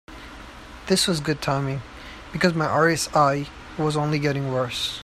This was good timing, because my RSI was only getting worse.